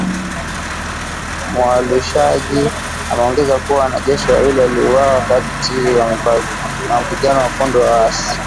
Mualushayi ameongeza kuwa, wanajeshi wawili waliuawa wakati wa mapigano na kundi waasi.